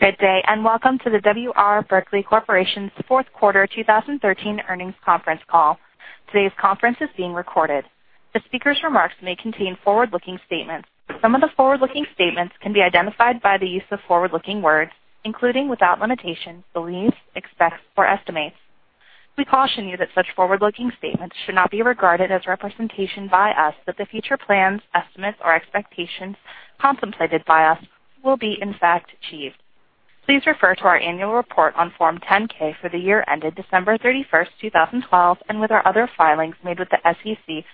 Good day, welcome to the W. R. Berkley Corporation's fourth quarter 2013 earnings conference call. Today's conference is being recorded. The speaker's remarks may contain forward-looking statements. Some of the forward-looking statements can be identified by the use of forward-looking words, including, without limitation, beliefs, expects, or estimates. We caution you that such forward-looking statements should not be regarded as representation by us that the future plans, estimates, or expectations contemplated by us will be, in fact, achieved. Please refer to our annual report on Form 10-K for the year ended December 31st, 2012, and with our other filings made with the SEC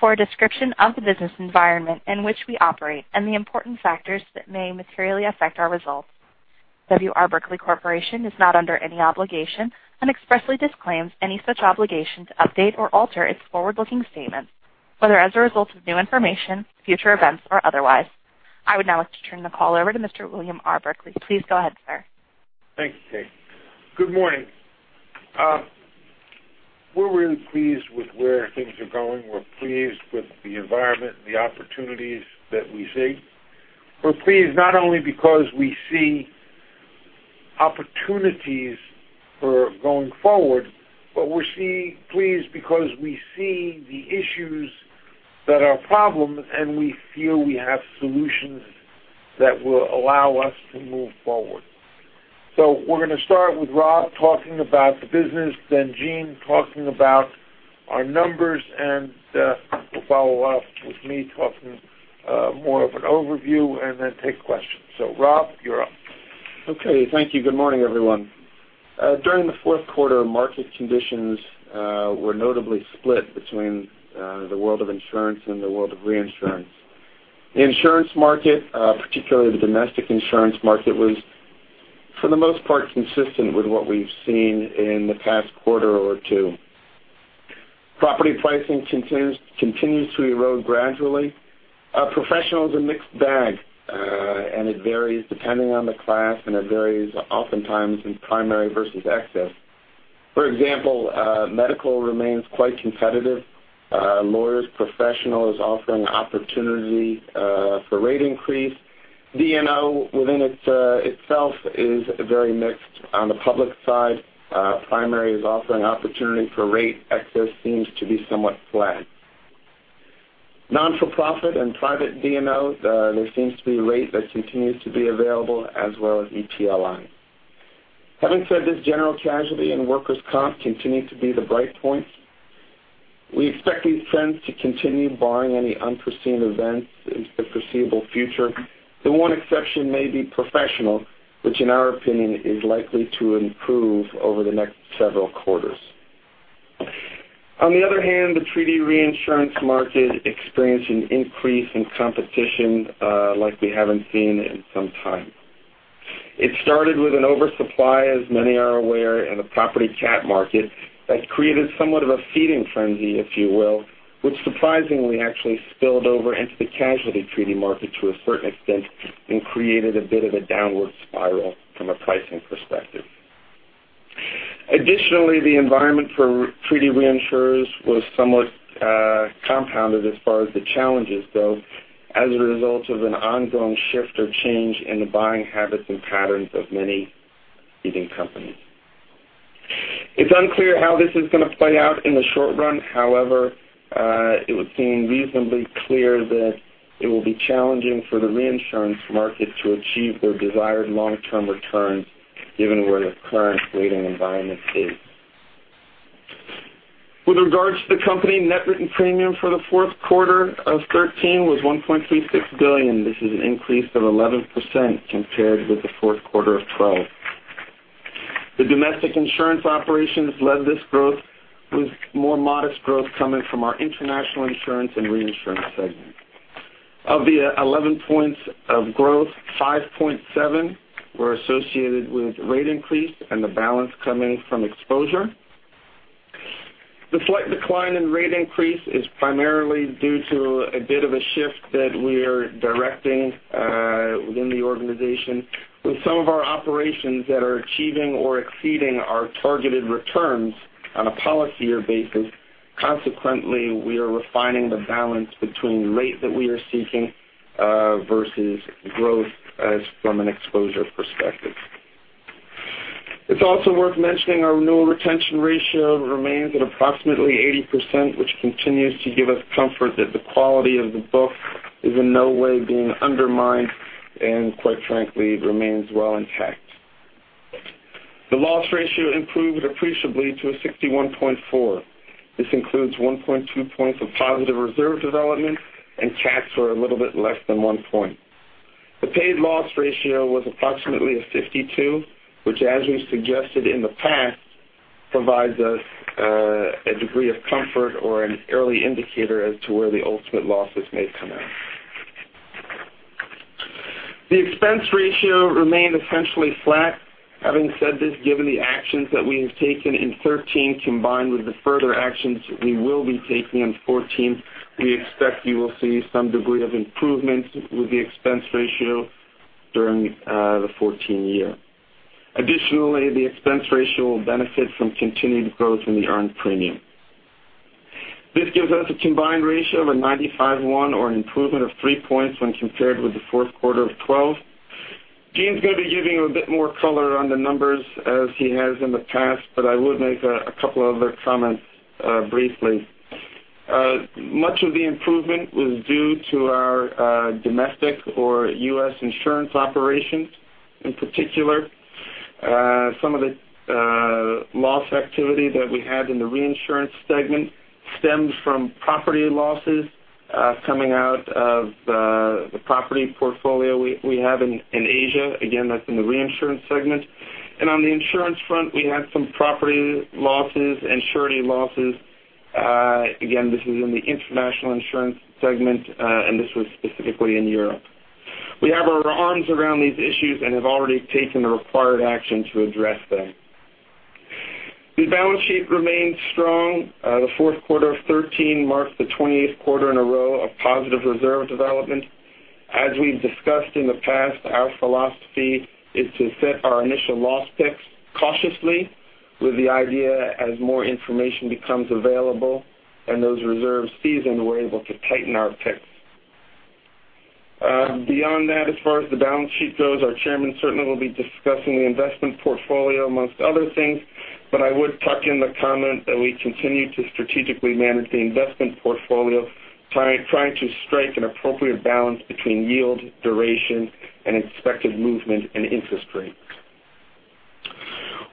for a description of the business environment in which we operate and the important factors that may materially affect our results. W. R. Berkley Corporation is not under any obligation and expressly disclaims any such obligation to update or alter its forward-looking statements, whether as a result of new information, future events, or otherwise. I would now like to turn the call over to Mr. William R. Berkley. Please go ahead, sir. Thank you, Kate. Good morning. We're really pleased with where things are going. We're pleased with the environment and the opportunities that we see. We're pleased not only because we see opportunities for going forward, but we're pleased because we see the issues that are problems, and we feel we have solutions that will allow us to move forward. We're going to start with Rob talking about the business, then Gene talking about our numbers, and we'll follow up with me talking more of an overview, and then take questions. Rob, you're up. Okay. Thank you. Good morning, everyone. During the fourth quarter, market conditions were notably split between the world of insurance and the world of reinsurance. The insurance market, particularly the domestic insurance market, was for the most part, consistent with what we've seen in the past quarter or two. Property pricing continues to erode gradually. Professional is a mixed bag, and it varies depending on the class, and it varies oftentimes in primary versus excess. For example, medical remains quite competitive. Lawyers professional is offering opportunity for rate increase. D&O within itself is very mixed. On the public side, primary is offering opportunity for rate. Excess seems to be somewhat flat. Not-for-profit and private D&O, there seems to be rate that continues to be available, as well as EPLI. Having said this, general casualty and workers' comp continue to be the bright points. We expect these trends to continue barring any unforeseen events in the foreseeable future. The one exception may be professional, which in our opinion, is likely to improve over the next several quarters. On the other hand, the treaty reinsurance market experienced an increase in competition like we haven't seen in some time. It started with an oversupply, as many are aware, in the property cat market that created somewhat of a feeding frenzy, if you will, which surprisingly actually spilled over into the casualty treaty market to a certain extent and created a bit of a downward spiral from a pricing perspective. Additionally, the environment for treaty reinsurers was somewhat compounded as far as the challenges go, as a result of an ongoing shift or change in the buying habits and patterns of many leading companies. It's unclear how this is going to play out in the short run. However, it would seem reasonably clear that it will be challenging for the reinsurance market to achieve their desired long-term returns given where the current rating environment is. With regards to the company, net written premium for the fourth quarter of 2013 was $1.36 billion. This is an increase of 11% compared with the fourth quarter of 2012. The domestic insurance operations led this growth, with more modest growth coming from our international insurance and reinsurance segment. Of the 11 points of growth, 5.7 were associated with rate increase and the balance coming from exposure. The slight decline in rate increase is primarily due to a bit of a shift that we're directing within the organization with some of our operations that are achieving or exceeding our targeted returns on a policy year basis. Consequently, we are refining the balance between rate that we are seeking versus growth as from an exposure perspective. It's also worth mentioning our renewal retention ratio remains at approximately 80%, which continues to give us comfort that the quality of the book is in no way being undermined and quite frankly, remains well intact. The loss ratio improved appreciably to 61.4%. This includes 1.2 points of positive reserve development and cats were a little bit less than one point. The paid loss ratio was approximately 52%, which as we suggested in the past, provides us a degree of comfort or an early indicator as to where the ultimate losses may come out. The expense ratio remained essentially flat. Having said this, given the actions that we have taken in 2013, combined with the further actions we will be taking in 2014, we expect you will see some degree of improvement with the expense ratio during the 2014 year. Additionally, the expense ratio will benefit from continued growth in the earned premium. This gives us a combined ratio of 95.1% or an improvement of three points when compared with the fourth quarter of 2012. Gene's going to be giving you a bit more color on the numbers as he has in the past, but I would make a couple other comments briefly. Much of the improvement was due to our domestic or U.S. insurance operations, in particular. Some of the loss activity that we had in the reinsurance segment stems from property losses coming out of the property portfolio we have in Asia. That's in the reinsurance segment. On the insurance front, we had some property losses and surety losses. Again, this is in the international insurance segment, and this was specifically in Europe. We have our arms around these issues and have already taken the required action to address them. The balance sheet remains strong. The fourth quarter of 2013 marks the 28th quarter in a row of positive reserve development. As we've discussed in the past, our philosophy is to set our initial loss picks cautiously with the idea as more information becomes available and those reserves seasoned, we're able to tighten our picks. Beyond that, as far as the balance sheet goes, our chairman certainly will be discussing the investment portfolio amongst other things, but I would tuck in the comment that we continue to strategically manage the investment portfolio, trying to strike an appropriate balance between yield, duration, and expected movement and interest rates.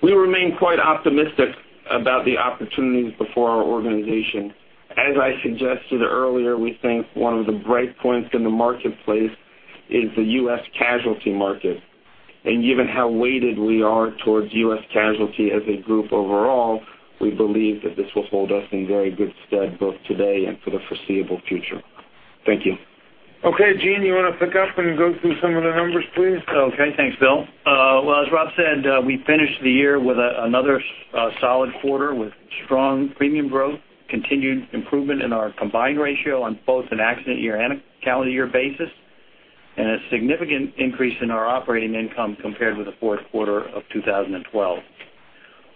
We remain quite optimistic about the opportunities before our organization. As I suggested earlier, we think one of the bright points in the marketplace is the U.S. casualty market. Given how weighted we are towards U.S. casualty as a group overall, we believe that this will hold us in very good stead both today and for the foreseeable future. Thank you. Okay, Gene, you want to pick up and go through some of the numbers, please? Okay. Thanks, Bill. As Rob said, we finished the year with another solid quarter with strong premium growth, continued improvement in our combined ratio on both an accident year and a calendar year basis, and a significant increase in our operating income compared with the fourth quarter of 2012.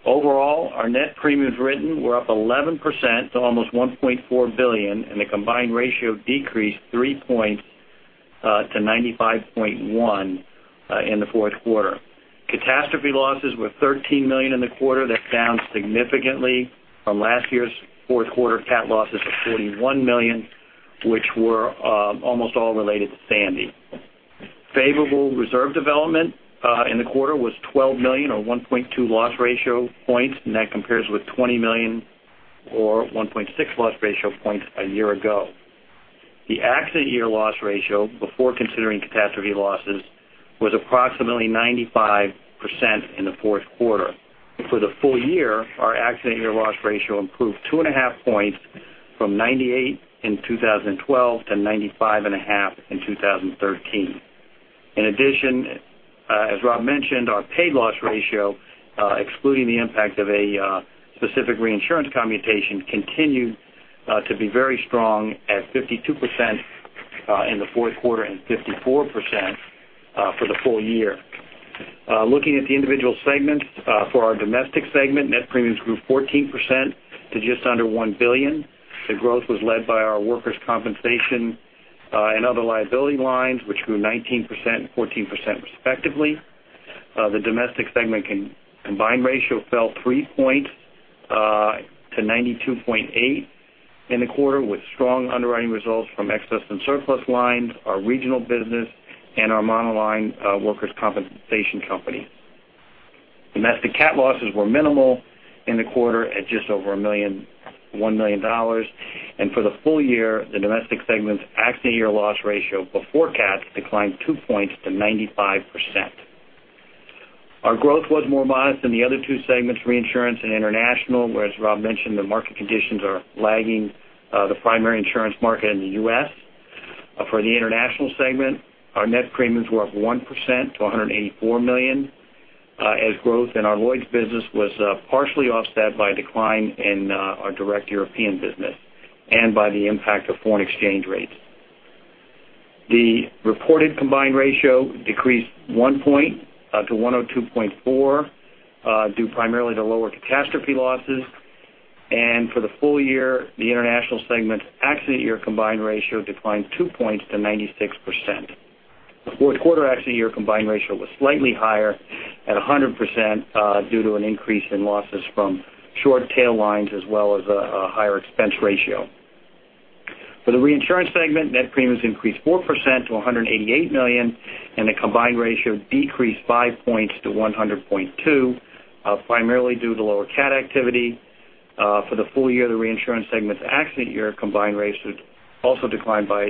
Overall, our net premiums written were up 11% to almost $1.4 billion, the combined ratio decreased 3 points, to 95.1 in the fourth quarter. Catastrophe losses were $13 million in the quarter. That's down significantly from last year's fourth quarter cat losses of $41 million, which were almost all related to Sandy. Favorable reserve development in the quarter was $12 million or 1.2 loss ratio points, and that compares with $20 million or 1.6 loss ratio points a year ago. The accident year loss ratio before considering catastrophe losses was approximately 95% in the fourth quarter. For the full year, our accident year loss ratio improved 2.5 points from 98 in 2012 to 95.5 in 2013. In addition, as Rob mentioned, our paid loss ratio, excluding the impact of a specific reinsurance commutation, continued to be very strong at 52% in the fourth quarter and 54% for the full year. Looking at the individual segments, for our domestic segment, net premiums grew 14% to just under $1 billion. The growth was led by our workers' compensation and other liability lines, which grew 19% and 14% respectively. The domestic segment combined ratio fell three points to 92.8 in the quarter with strong underwriting results from Excess and Surplus lines, our regional business, and our monoline workers' compensation company. Domestic cat losses were minimal in the quarter at just over $1 million. For the full year, the domestic segment's accident year loss ratio before cat declined two points to 95%. Our growth was more modest than the other two segments, reinsurance and international, where, as Rob mentioned, the market conditions are lagging the primary insurance market in the U.S. For the international segment, our net premiums were up 1% to $184 million as growth in our Lloyd's business was partially offset by decline in our direct European business and by the impact of foreign exchange rates. The reported combined ratio decreased one point to 102.4, due primarily to lower catastrophe losses. For the full year, the international segment's accident year combined ratio declined two points to 96%. The fourth quarter accident year combined ratio was slightly higher at 100% due to an increase in losses from short tail lines as well as a higher expense ratio. For the reinsurance segment, net premiums increased 4% to $188 million, and the combined ratio decreased five points to 100.2 primarily due to lower cat activity. For the full year, the reinsurance segment's accident year combined ratio also declined by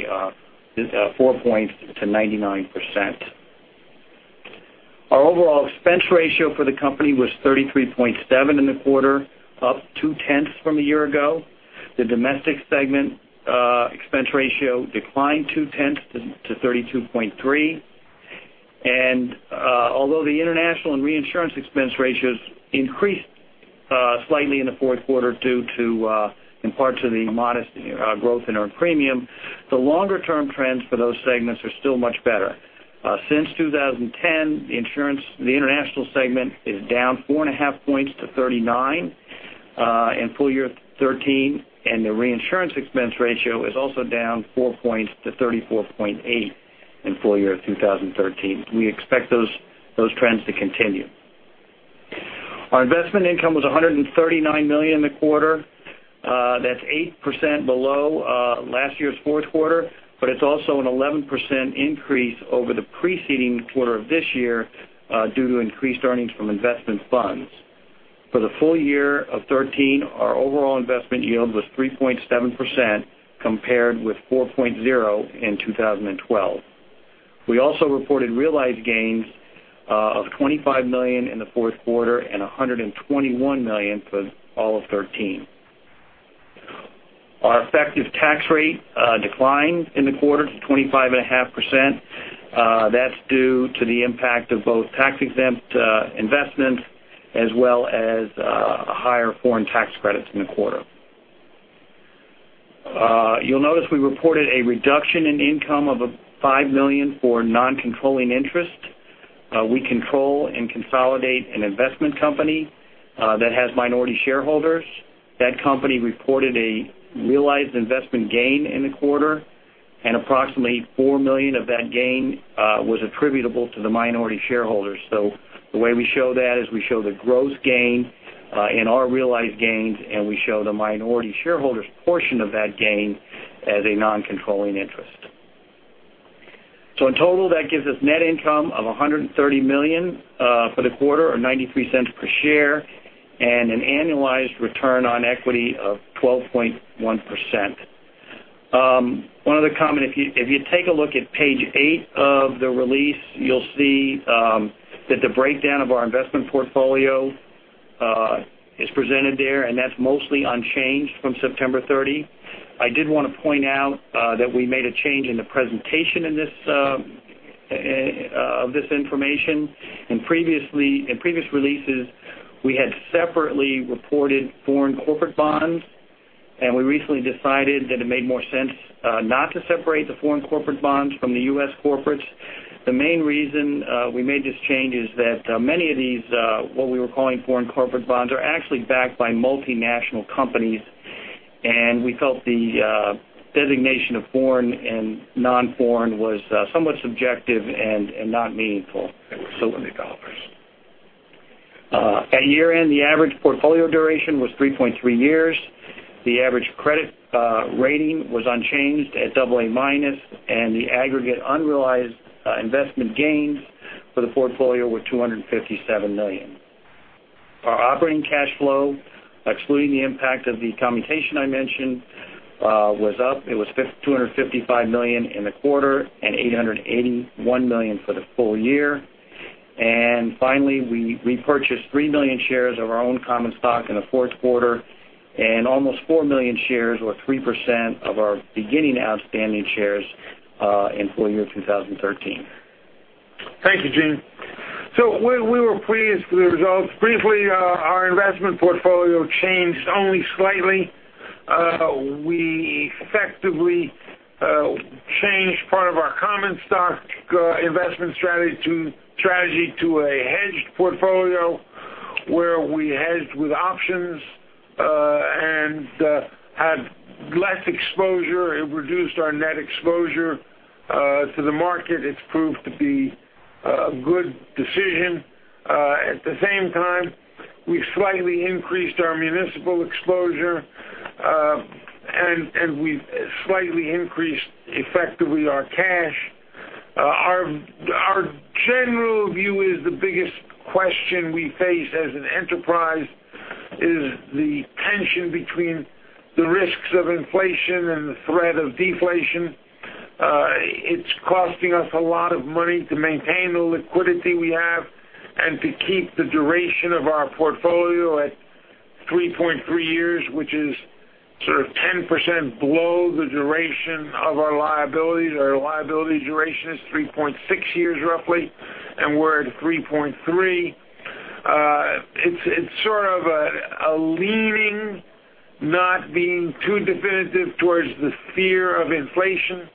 four points to 99%. Our overall expense ratio for the company was 33.7 in the quarter, up 0.2 from a year ago. The domestic segment expense ratio declined 0.2 to 32.3. Although the international and reinsurance expense ratios increased slightly in the fourth quarter due in part to the modest growth in our premium, the longer-term trends for those segments are still much better. Since 2010, the International segment is down 4.5 points to 39 in full year 2013, and the reinsurance expense ratio is also down four points to 34.8 in full year 2013. We expect those trends to continue. Our investment income was $139 million in the quarter. That's 8% below last year's fourth quarter, but it's also an 11% increase over the preceding quarter of this year due to increased earnings from investment funds. For the full year of 2013, our overall investment yield was 3.7%, compared with 4.0% in 2012. We also reported realized gains of $25 million in the fourth quarter and $121 million for all of 2013. Our effective tax rate declined in the quarter to 25.5%. That's due to the impact of both tax-exempt investments as well as higher foreign tax credits in the quarter. You'll notice we reported a reduction in income of $5 million for non-controlling interest. We control and consolidate an investment company that has minority shareholders. That company reported a realized investment gain in the quarter, and approximately $4 million of that gain was attributable to the minority shareholders. The way we show that is we show the gross gain in our realized gains, and we show the minority shareholders' portion of that gain as a non-controlling interest. In total, that gives us net income of $130 million for the quarter or $0.93 per share and an annualized return on equity of 12.1%. One other comment. If you take a look at page eight of the release, you'll see that the breakdown of our investment portfolio is presented there, and that's mostly unchanged from September 30. I did want to point out that we made a change in the presentation of this information. In previous releases, we had separately reported foreign corporate bonds, and we recently decided that it made more sense not to separate the foreign corporate bonds from the U.S. corporates. The main reason we made this change is that many of these, what we were calling foreign corporate bonds, are actually backed by multinational companies, and we felt the designation of foreign and non-foreign was somewhat subjective and not meaningful. At year-end, the average portfolio duration was 3.3 years. The average credit rating was unchanged at double A minus, and the aggregate unrealized investment gains for the portfolio were $257 million. Our operating cash flow, excluding the impact of the commutation I mentioned, was up. It was $255 million in the quarter and $881 million for the full year. Finally, we repurchased 3 million shares of our own common stock in the fourth quarter and almost 4 million shares or 3% of our beginning outstanding shares in full year 2013. Thank you, Gene. We were pleased with the results. Briefly, our investment portfolio changed only slightly. We effectively changed part of our common stock investment strategy to a hedged portfolio where we hedged with options and had less exposure. It reduced our net exposure to the market. It's proved to be a good decision. At the same time, we've slightly increased our municipal exposure, and we've slightly increased, effectively, our cash. Our general view is the biggest question we face as an enterprise is the tension between the risks of inflation and the threat of deflation. It's costing us a lot of money to maintain the liquidity we have and to keep the duration of our portfolio at 3.3 years, which is sort of 10% below the duration of our liabilities. Our liability duration is 3.6 years roughly, and we're at 3.3. It's sort of a leaning, not being too definitive towards the fear of inflation.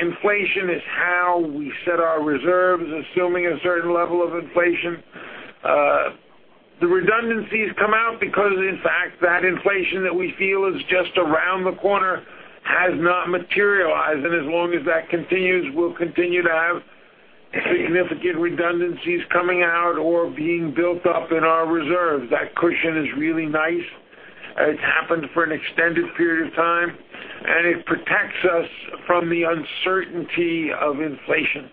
Inflation is how we set our reserves, assuming a certain level of inflation. The redundancies come out because, in fact, that inflation that we feel is just around the corner has not materialized. As long as that continues, we'll continue to have significant redundancies coming out or being built up in our reserves. That cushion is really nice. It's happened for an extended period of time, and it protects us from the uncertainty of inflation.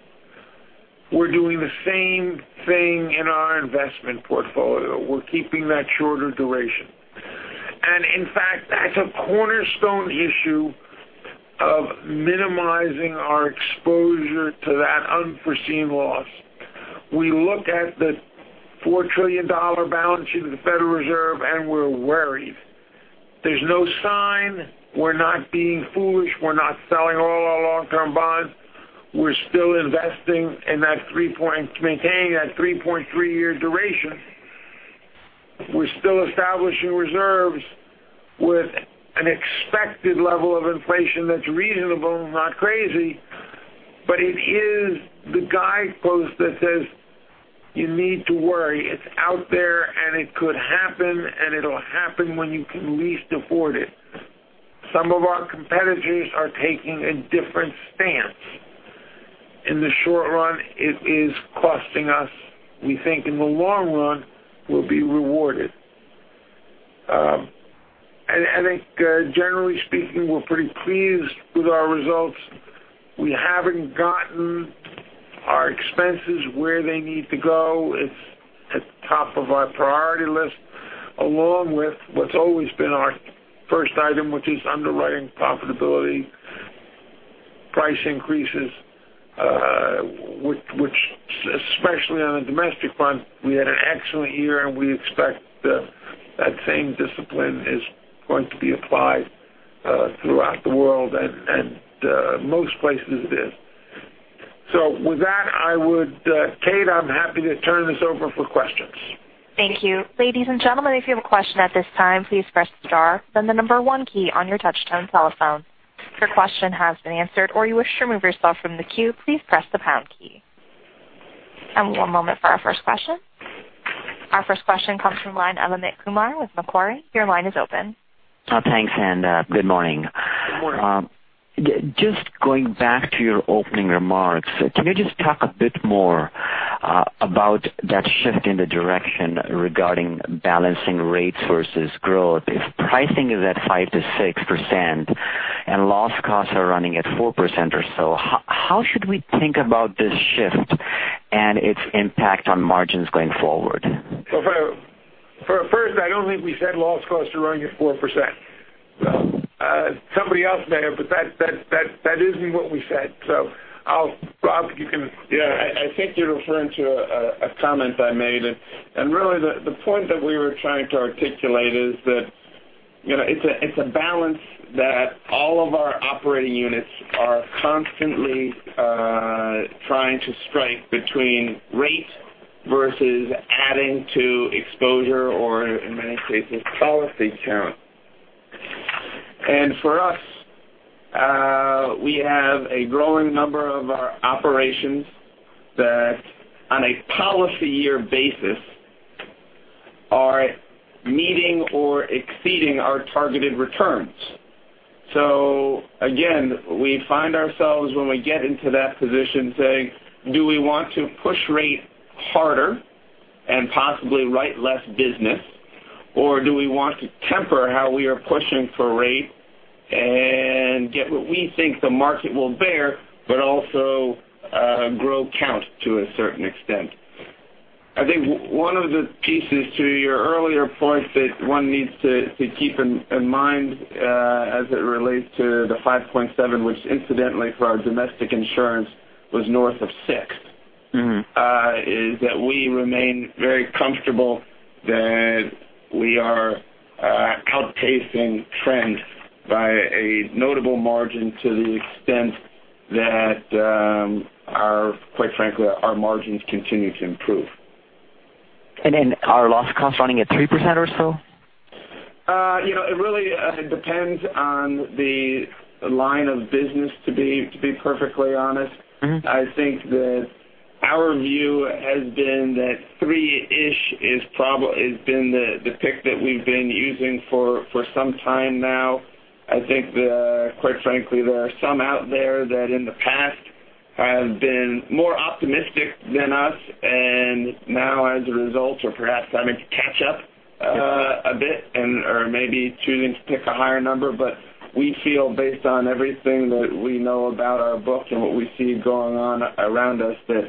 We're doing the same thing in our investment portfolio. We're keeping that shorter duration. In fact, that's a cornerstone issue of minimizing our exposure to that unforeseen loss. We look at the $4 trillion balance sheet of the Federal Reserve, and we're worried. There's no sign we're not being foolish. We're not selling all our long-term bonds. We're still investing and maintaining that 3.3 year duration. We're still establishing reserves with an expected level of inflation that's reasonable and not crazy, but it is the guidepost that says you need to worry. It's out there. It could happen, and it'll happen when you can least afford it. Some of our competitors are taking a different stance. In the short run, it is costing us. We think in the long run, we'll be rewarded. I think generally speaking, we're pretty pleased with our results. We haven't gotten our expenses where they need to go. It's at the top of our priority list, along with what's always been our first item, which is underwriting profitability, price increases, which, especially on a domestic front, we had an excellent year. We expect that same discipline is going to be applied throughout the world and most places it is. With that, Kate, I'm happy to turn this over for questions. Thank you. Ladies and gentlemen, if you have a question at this time, please press star, then the number one key on your touchtone telephone. If your question has been answered or you wish to remove yourself from the queue, please press the pound key. One moment for our first question. Our first question comes from the line of Amit Kumar with Macquarie. Your line is open. Thanks, and good morning. Good morning. Just going back to your opening remarks, can you just talk a bit more about that shift in the direction regarding balancing rates versus growth? If pricing is at 5%-6% and loss costs are running at 4% or so, how should we think about this shift and its impact on margins going forward? For first, I don't think we said loss costs are running at 4%. Somebody else may have, but that isn't what we said. Rob, you can. Yeah, I think you're referring to a comment I made. Really, the point that we were trying to articulate is that it's a balance that all of our operating units are constantly trying to strike between rate versus adding to exposure or, in many cases, policy count. For us, we have a growing number of our operations that, on a policy year basis, are meeting or exceeding our targeted returns. Again, we find ourselves when we get into that position saying, "Do we want to push rate harder and possibly write less business, or do we want to temper how we are pushing for rate and get what we think the market will bear but also grow count to a certain extent?" I think one of the pieces to your earlier point that one needs to keep in mind as it relates to the 5.7%, which incidentally for our domestic insurance was north of 6%, is that we remain very comfortable that we are out pacing trends by a notable margin to the extent that, quite frankly, our margins continue to improve. Are loss costs running at 3% or so? It depends on the line of business, to be perfectly honest. I think that our view has been that three-ish has been the pick that we've been using for some time now. I think, quite frankly, there are some out there that in the past have been more optimistic than us, or perhaps having to catch up a bit, or maybe choosing to pick a higher number, but we feel based on everything that we know about our book and what we see going on around us, that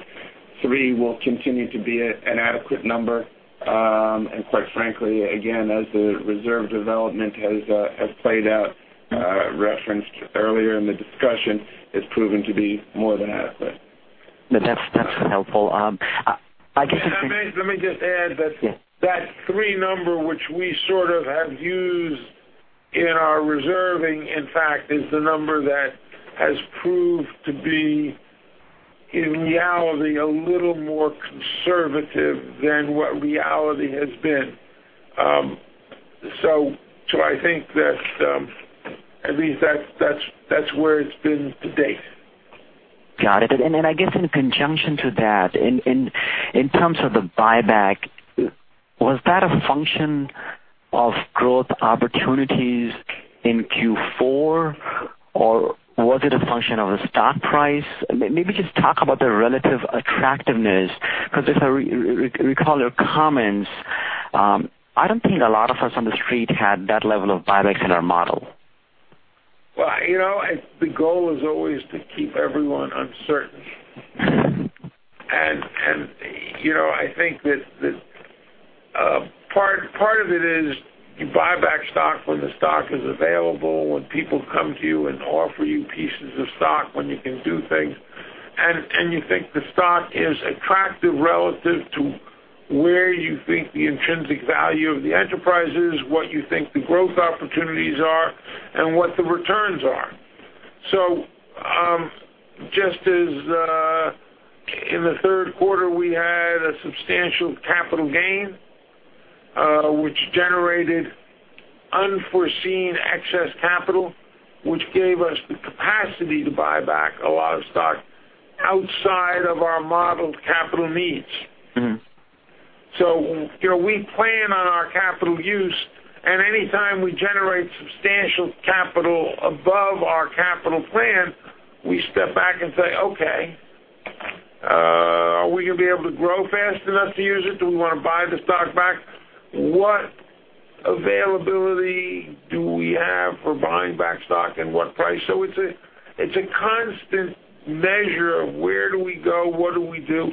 three will continue to be an adequate number. Quite frankly, again, as the reserve development has played out, referenced earlier in the discussion, it's proven to be more than adequate. That's helpful. I guess. Let me just add that. Yeah That three number, which we sort of have used in our reserving, in fact, is the number that has proved to be, in reality, a little more conservative than what reality has been. I think that at least that's where it's been to date. Got it. I guess in conjunction to that, in terms of the buyback, was that a function of growth opportunities in Q4, or was it a function of the stock price? Maybe just talk about the relative attractiveness, because if I recall your comments, I don't think a lot of us on The Street had that level of buyback in our model. Well, the goal is always to keep everyone uncertain. I think that part of it is you buy back stock when the stock is available, when people come to you and offer you pieces of stock, when you can do things, and you think the stock is attractive relative to where you think the intrinsic value of the enterprise is, what you think the growth opportunities are, and what the returns are. Just as in the third quarter, we had a substantial capital gain, which generated unforeseen excess capital, which gave us the capacity to buy back a lot of stock outside of our modeled capital needs. We plan on our capital use, and anytime we generate substantial capital above our capital plan, we step back and say, "Okay, are we going to be able to grow fast enough to use it? Do we want to buy the stock back? What availability do we have for buying back stock and what price?" It's a constant measure of where do we go, what do we do?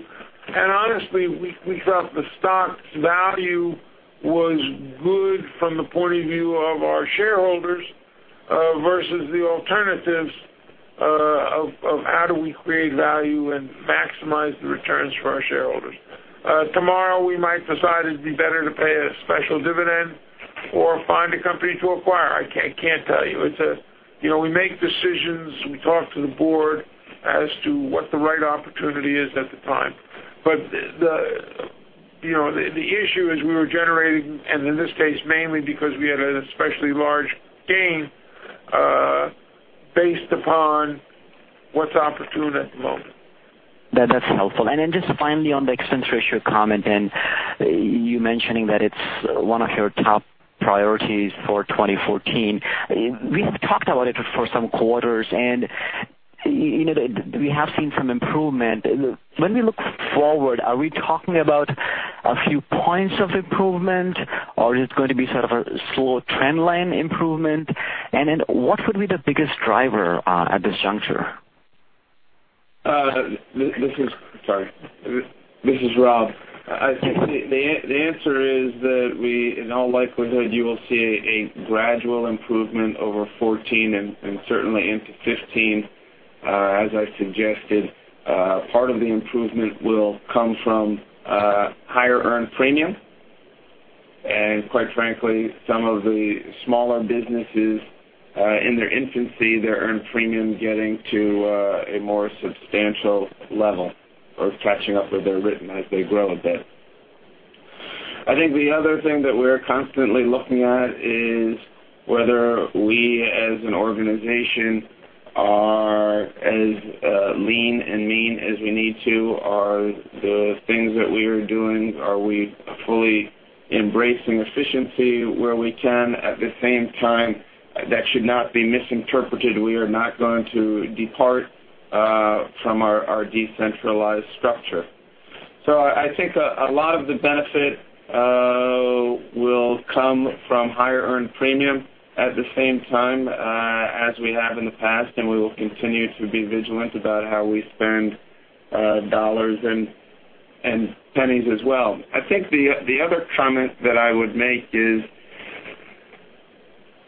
Honestly, we felt the stock's value was good from the point of view of our shareholders versus the alternatives of how do we create value and maximize the returns for our shareholders. Tomorrow, we might decide it'd be better to pay a special dividend or find a company to acquire. I can't tell you. We make decisions, we talk to the board as to what the right opportunity is at the time. The issue is we were generating, and in this case, mainly because we had an especially large gain, based upon what's opportune at the moment. That's helpful. Just finally on the expense ratio comment and you mentioning that it's one of your top priorities for 2014. We have talked about it for some quarters, and we have seen some improvement. When we look forward, are we talking about a few points of improvement, or is it going to be sort of a slow trend line improvement? What would be the biggest driver at this juncture? This is Rob. I think the answer is that in all likelihood, you will see a gradual improvement over 2014 and certainly into 2015. As I suggested, part of the improvement will come from higher earned premium, and quite frankly, some of the smaller businesses in their infancy, their earned premium getting to a more substantial level or catching up with their written as they grow a bit. I think the other thing that we're constantly looking at is whether we as an organization are as lean and mean as we need to. Are the things that we are doing, are we fully embracing efficiency where we can? At the same time, that should not be misinterpreted. We are not going to depart from our decentralized structure. I think a lot of the benefit will come from higher earned premium at the same time as we have in the past, and we will continue to be vigilant about how we spend dollars and pennies as well. I think the other comment that I would make is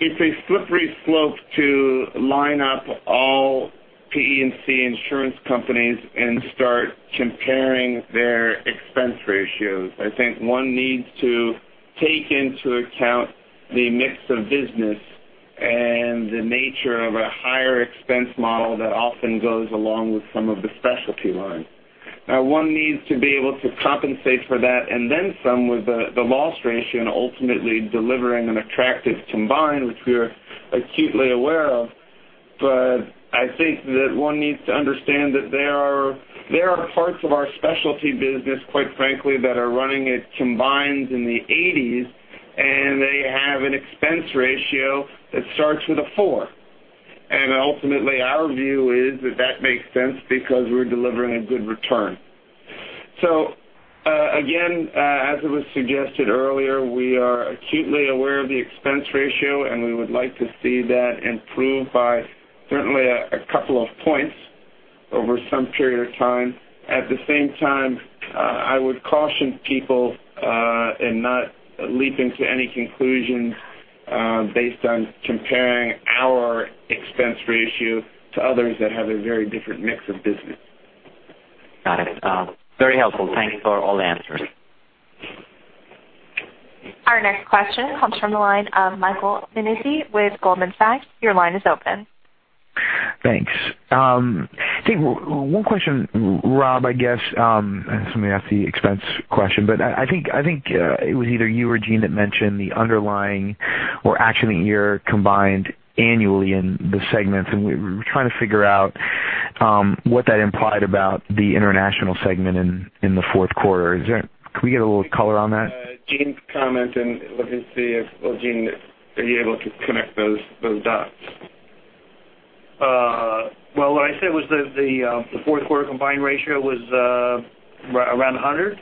it's a slippery slope to line up all P&C insurance companies and start comparing their expense ratios. I think one needs to take into account the mix of business and the nature of a higher expense model that often goes along with some of the specialty lines. One needs to be able to compensate for that, and then some with the loss ratio ultimately delivering an attractive combine, which we are acutely aware of. I think that one needs to understand that there are parts of our specialty business, quite frankly, that are running at combines in the 80s, and they have an expense ratio that starts with a four. Ultimately, our view is that that makes sense because we're delivering a good return. Again, as it was suggested earlier, we are acutely aware of the expense ratio, and we would like to see that improve by certainly a couple of points over some period of time. At the same time, I would caution people and not leap into any conclusions based on comparing our expense ratio to others that have a very different mix of business. Got it. Very helpful. Thank you for all the answers. Our next question comes from the line of Michael Nannizzi with Goldman Sachs. Your line is open. Thanks. I think one question, Rob, I guess, somebody asked the expense question, but I think it was either you or Gene that mentioned the underlying or actually year combined annually in the segments, and we're trying to figure out what that implied about the international segment in the fourth quarter. Can we get a little color on that? Gene's comment and let me see if, well, Gene, are you able to connect those dots? What I said was that the fourth quarter combined ratio was around 100.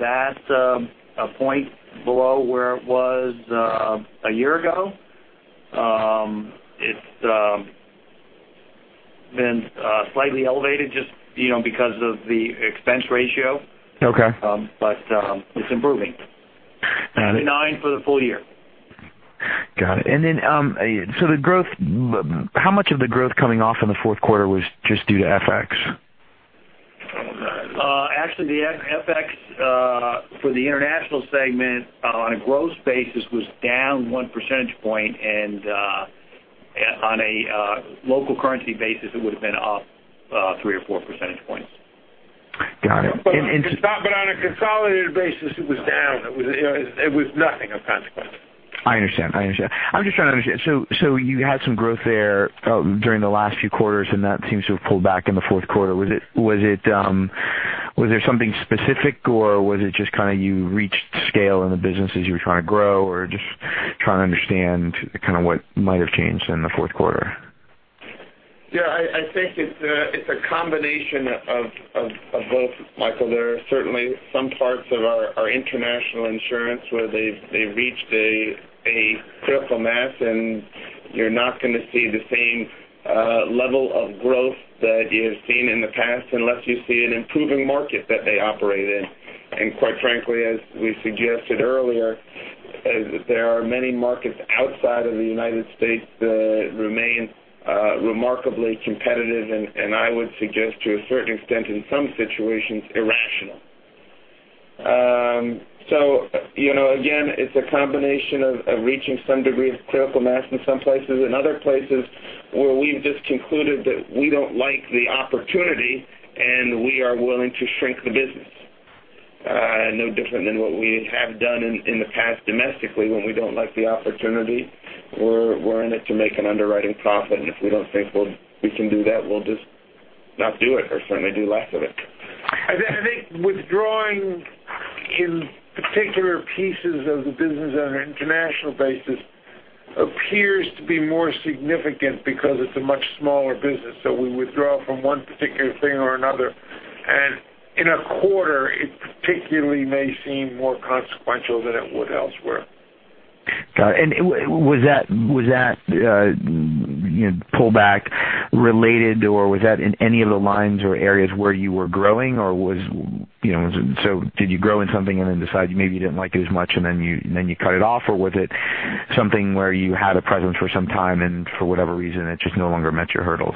That's a point below where it was a year ago. It's been slightly elevated just because of the expense ratio. Okay. It's improving. Got it. 9 for the full year. Got it. The growth, how much of the growth coming off in the fourth quarter was just due to FX? Actually, the FX for the international segment on a gross basis was down one percentage point and on a local currency basis, it would have been up three or four percentage points. Got it. On a consolidated basis, it was down. It was nothing of consequence. I understand. I'm just trying to understand. You had some growth there during the last few quarters, and that seems to have pulled back in the fourth quarter. Was there something specific, or was it just you reached scale in the businesses you were trying to grow or just trying to understand kind of what might have changed in the fourth quarter? Yeah, I think it's a combination of both, Michael. There are certainly some parts of our international insurance where they've reached a critical mass, and you're not going to see the same level of growth that you have seen in the past unless you see an improving market that they operate in. Quite frankly, as we suggested earlier, there are many markets outside of the United States that remain remarkably competitive and, I would suggest to a certain extent, in some situations, irrational. Again, it's a combination of reaching some degree of critical mass in some places. In other places where we've just concluded that we don't like the opportunity, and we are willing to shrink the business. No different than what we have done in the past domestically when we don't like the opportunity. We're in it to make an underwriting profit, and if we don't think we can do that, we'll just not do it or certainly do less of it. I think withdrawing in particular pieces of the business on an international basis appears to be more significant because it's a much smaller business. We withdraw from one particular thing or another, and in a quarter, it particularly may seem more consequential than it would elsewhere. Got it. Was that pullback related, or was that in any of the lines or areas where you were growing? Did you grow in something and then decide maybe you didn't like it as much and then you cut it off, or was it something where you had a presence for some time and for whatever reason, it just no longer met your hurdles?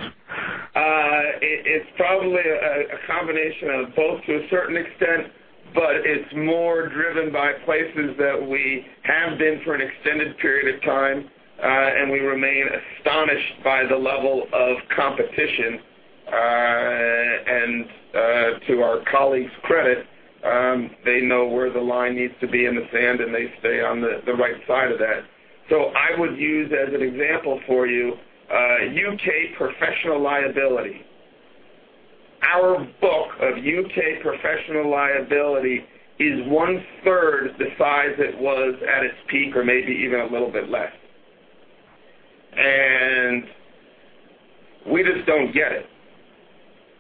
It's probably a combination of both to a certain extent, but it's more driven by places that we have been for an extended period of time, and we remain astonished by the level of competition. To our colleagues' credit, they know where the line needs to be in the sand, and they stay on the right side of that. I would use as an example for you, U.K. professional liability. Our book of U.K. professional liability is one-third the size it was at its peak or maybe even a little bit less. We just don't get it.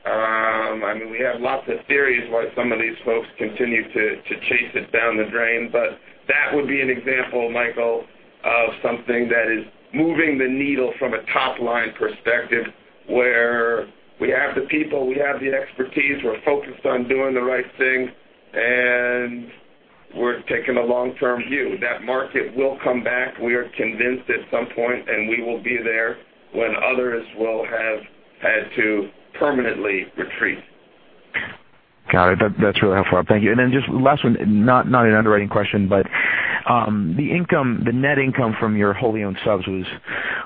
We have lots of theories why some of these folks continue to chase it down the drain, that would be an example, Michael, of something that is moving the needle from a top-line perspective, where we have the people, we have the expertise, we're focused on doing the right thing, and we're taking a long-term view. That market will come back, we are convinced, at some point, and we will be there when others will have had to permanently retreat. Got it. That's really helpful. Thank you. Just last one, not an underwriting question, but the net income from your wholly owned subs was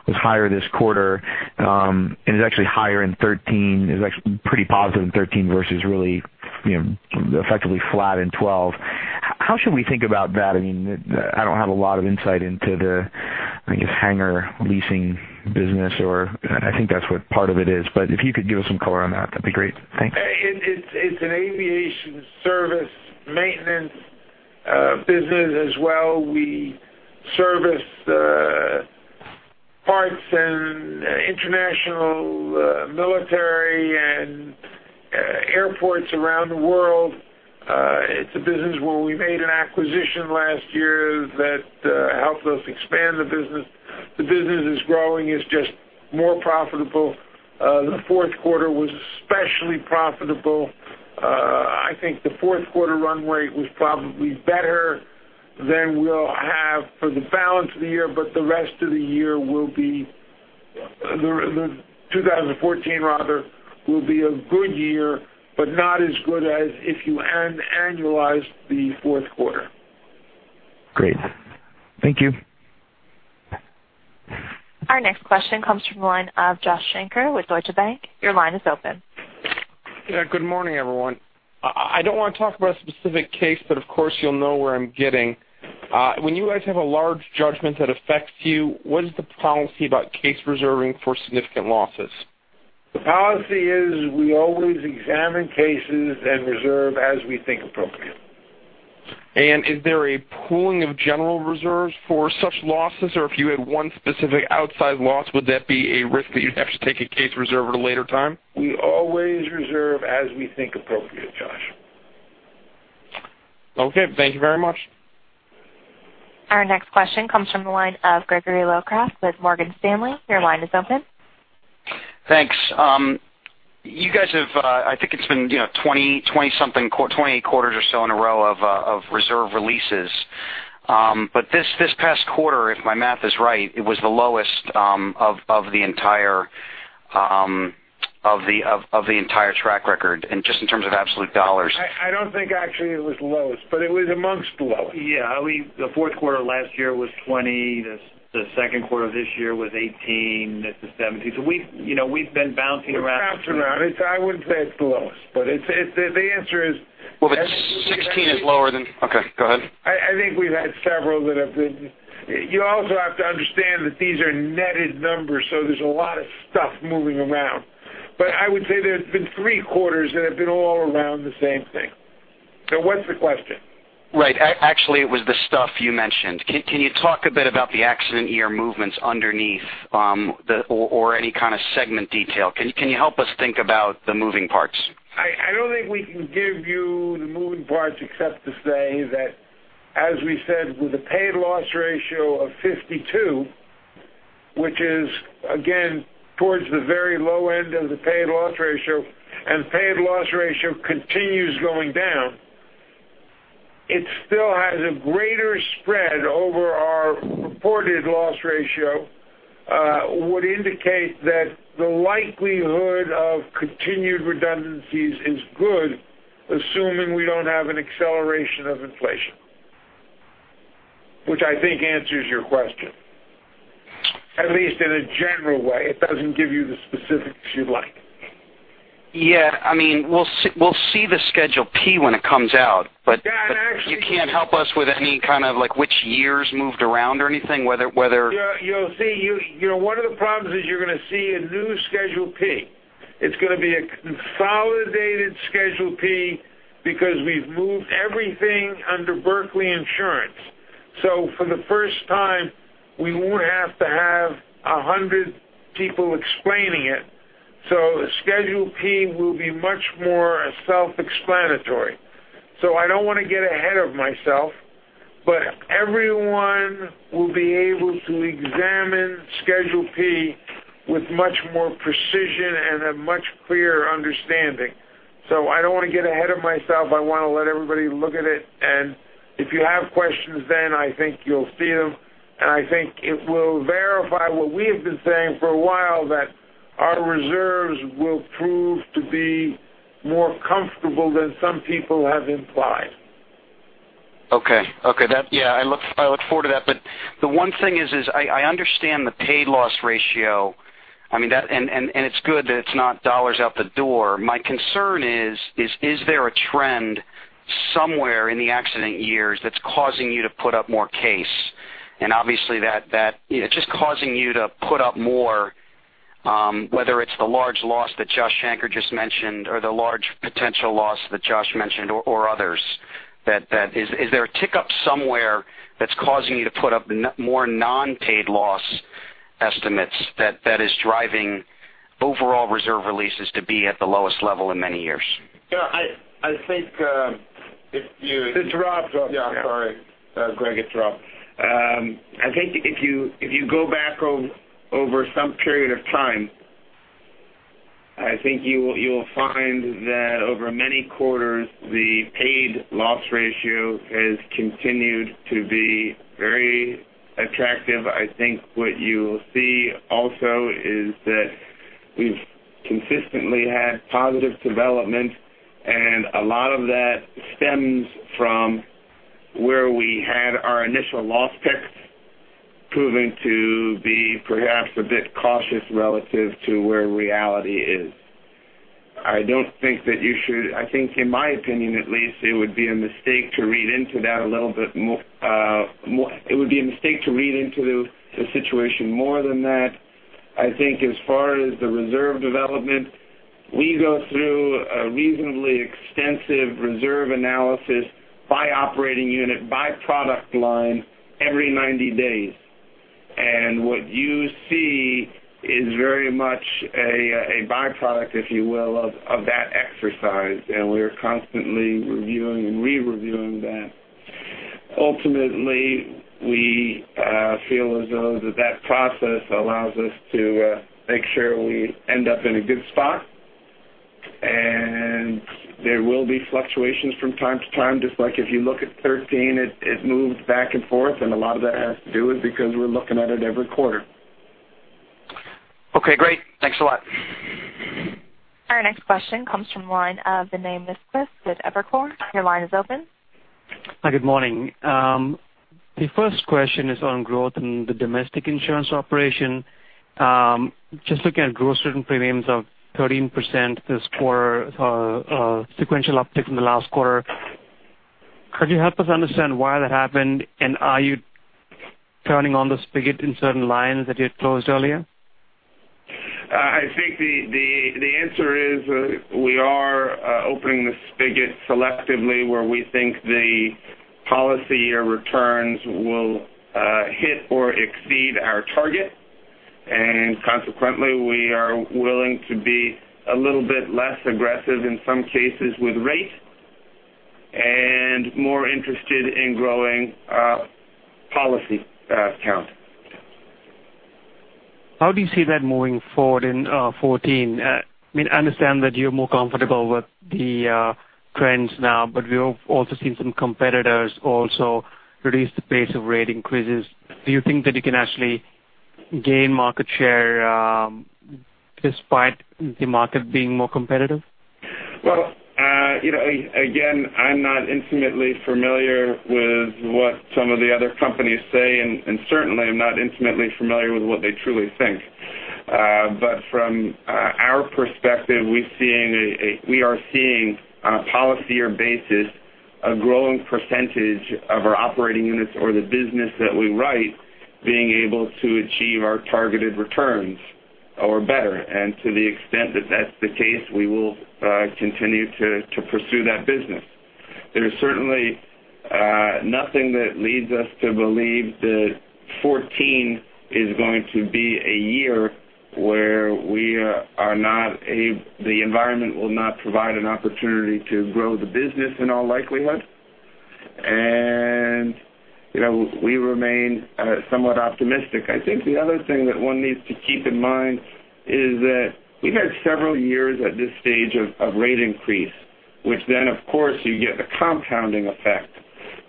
higher this quarter, and is actually higher in 2013. It was actually pretty positive in 2013 versus really effectively flat in 2012. How should we think about that? I don't have a lot of insight into the, I guess, hangar leasing business or I think that's what part of it is. But if you could give us some color on that'd be great. Thanks. It's an aviation service maintenance business as well. We service parts and international military and airports around the world. It's a business where we made an acquisition last year that helped us expand the business. The business is growing. It's just more profitable. The fourth quarter was especially profitable. I think the fourth quarter run rate was probably better than we'll have for the balance of the year, but the rest of the year will be 2014 rather, will be a good year, but not as good as if you annualize the fourth quarter. Great. Thank you. Our next question comes from the line of Josh Shanker with Deutsche Bank. Your line is open. Yeah, good morning, everyone. I don't want to talk about a specific case. Of course you'll know where I'm getting. When you guys have a large judgment that affects you, what is the policy about case reserving for significant losses? The policy is we always examine cases and reserve as we think appropriate. Is there a pooling of general reserves for such losses, or if you had one specific outsized loss, would that be a risk that you'd have to take a case reserve at a later time? We always reserve as we think appropriate, Josh. Okay. Thank you very much. Our next question comes from the line of Gregory Locraft with Morgan Stanley. Your line is open. Thanks. You guys have, I think it's been 28 quarters or so in a row of reserve releases. This past quarter, if my math is right, it was the lowest of the entire track record, and just in terms of absolute dollars. I don't think actually it was the lowest, but it was amongst the lowest. Yeah. The fourth quarter last year was 20, the second quarter of this year was 18, this is 17. We've been bouncing around. We're bouncing around. I wouldn't say it's the lowest, but the answer is. Well, 16 is lower than Okay, go ahead. I think we've had several that have been. You also have to understand that these are netted numbers, so there's a lot of stuff moving around. I would say there's been three quarters that have been all around the same thing. What's the question? Right. Actually, it was the stuff you mentioned. Can you talk a bit about the accident year movements underneath, or any kind of segment detail? Can you help us think about the moving parts? I don't think we can give you the moving parts except to say that as we said, with a paid loss ratio of 52, which is again, towards the very low end of the paid loss ratio, and paid loss ratio continues going down, it still has a greater spread over our reported loss ratio, would indicate that the likelihood of continued redundancies is good, assuming we don't have an acceleration of inflation. Which I think answers your question. At least in a general way. It doesn't give you the specifics you'd like. Yeah. We'll see the Schedule P when it comes out. Yeah, and actually. You can't help us with any kind of like which years moved around or anything. You'll see. One of the problems is you're going to see a new Schedule P. It's going to be a consolidated Schedule P because we've moved everything under Berkley Insurance. For the first time, we won't have to have 100 people explaining it. The Schedule P will be much more self-explanatory. I don't want to get ahead of myself, but everyone will be able to examine Schedule P with much more precision and a much clearer understanding. I don't want to get ahead of myself. I want to let everybody look at it, and if you have questions, then I think you'll see them, and I think it will verify what we have been saying for a while, that our reserves will prove to be more comfortable than some people have implied. Okay. Yeah, I look forward to that. The one thing is, I understand the paid loss ratio. It's good that it's not dollars out the door. My concern is there a trend somewhere in the accident years that's causing you to put up more case? Obviously, just causing you to put up more, whether it's the large loss that Josh Shanker just mentioned or the large potential loss that Josh mentioned or others. Is there a tick up somewhere that's causing you to put up more non-paid loss estimates that is driving overall reserve releases to be at the lowest level in many years? Yeah. It's Rob. Yeah, sorry. Greg, it's Rob. I think if you go back over some period of time, I think you will find that over many quarters, the paid loss ratio has continued to be very attractive. I think what you will see also is that we've consistently had positive development, and a lot of that stems from where we had our initial loss picks proven to be perhaps a bit cautious relative to where reality is. I think, in my opinion at least, it would be a mistake to read into the situation more than that. I think as far as the reserve development, we go through a reasonably extensive reserve analysis by operating unit, by product line, every 90 days. What you see is very much a byproduct, if you will, of that exercise, and we're constantly reviewing and re-reviewing that. Ultimately, we feel as though that process allows us to make sure we end up in a good spot, and there will be fluctuations from time to time. Just like if you look at 2013, it moved back and forth, and a lot of that has to do with because we're looking at it every quarter. Okay, great. Thanks a lot. Our next question comes from the line of Vinay Misquith with Evercore. Your line is open. Hi, good morning. The first question is on growth in the domestic insurance operation. Just looking at gross written premiums of 13% this quarter, a sequential uptick from the last quarter. Could you help us understand why that happened, and are you turning on the spigot in certain lines that you had closed earlier? I think the answer is, we are opening the spigot selectively where we think the policy year returns will hit or exceed our target, and consequently, we are willing to be a little bit less aggressive in some cases with rate and more interested in growing policy count How do you see that moving forward in 2014? I understand that you are more comfortable with the trends now. We have also seen some competitors also reduce the pace of rate increases. Do you think that you can actually gain market share despite the market being more competitive? Again, I'm not intimately familiar with what some of the other companies say, and certainly I'm not intimately familiar with what they truly think. From our perspective, we are seeing policy year basis, a growing percentage of our operating units or the business that we write, being able to achieve our targeted returns or better. To the extent that that's the case, we will continue to pursue that business. There is certainly nothing that leads us to believe that 2014 is going to be a year where the environment will not provide an opportunity to grow the business in all likelihood. We remain somewhat optimistic. I think the other thing that one needs to keep in mind is that we've had several years at this stage of rate increase, which then, of course, you get the compounding effect.